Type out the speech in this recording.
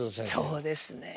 そうですね。